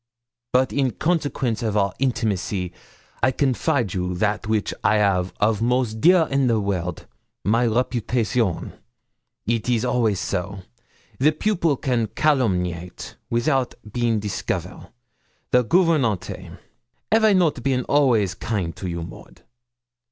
But in consequence of our intimacy I confide you that which I 'av of most dear in the world, my reputation. It is always so. The pupil can calomniate, without been discover, the gouvernante. 'Av I not been always kind to you, Maud?